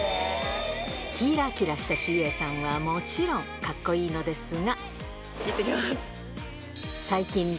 きらきらしたＣＡさんはもちろん、かっこいいのですが。